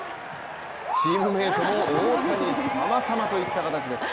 チームメートも大谷様様といった形です。